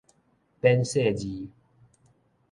免細膩